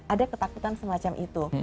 ada ketakutan semacam itu